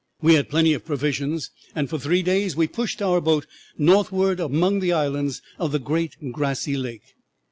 "'We had plenty of provisions, and for three days we pushed our boat northward among the islands of the great grassy lake.